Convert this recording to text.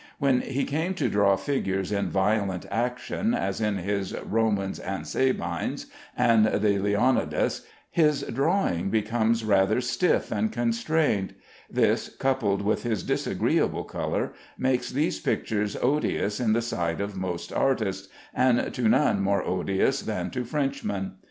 When he came to draw figures in violent action, as in his "Romans and Sabines" and the "Leonidas," his drawing becomes rather stiff and constrained. This, coupled with his disagreeable color, makes these pictures odious in the sight of most artists, and to none more odious than to Frenchmen.